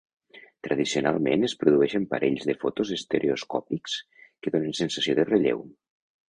Tradicionalment es produeixen parells de fotos estereoscòpics que donen sensació de relleu.